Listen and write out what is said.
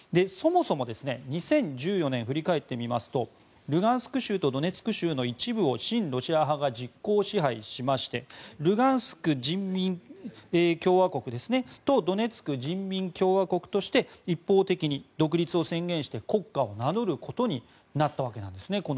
そもそも２０１４年、振り返ってみますとルガンスク州とドネツク州の一部を親ロシア派が実効支配しましてルガンスク人民共和国とドネツク人民共和国として一方的に独立を宣言して国家を名乗ることになったわけですね。